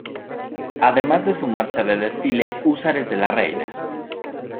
Además de su marcha de desfile Húsares de la Reina.